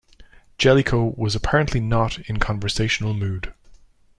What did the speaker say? Jellicoe was apparently not in conversational mood.